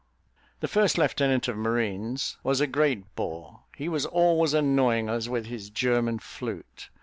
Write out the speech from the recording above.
The first lieutenant of marines was a great bore; he was always annoying us with his German flute.